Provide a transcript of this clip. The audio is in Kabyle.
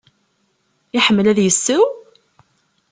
Iḥemmel ad yesseww?